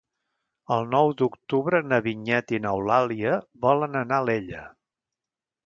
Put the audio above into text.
El nou d'octubre na Vinyet i n'Eulàlia volen anar a Alella.